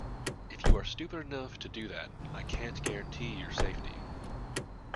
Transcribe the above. If you are stupid enough to do that, I can't guarantee your safety.